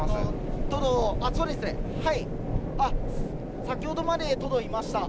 先ほどまで、トド、いました。